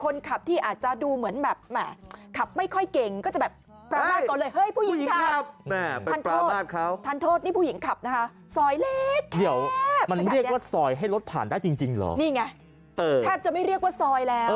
นี่ไงแทบจะไม่เรียกว่าซอยแล้ว